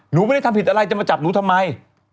หนูไม่ได้ทำผิดอะไรจะมาจับหนูทำไม